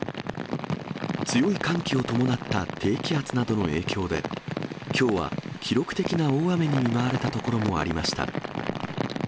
強い寒気を伴った低気圧などの影響で、きょうは記録的な大雨に見舞われた所もありました。